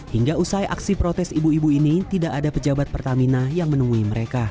hingga usai aksi protes ibu ibu ini tidak ada pejabat pertamina yang menemui mereka